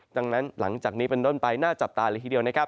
ดังนั้นหลังจากนี้เป็นต้นไปน่าจับตาเลยทีเดียวนะครับ